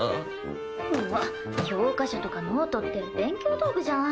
うわっ教科書とかノートって勉強道具じゃん。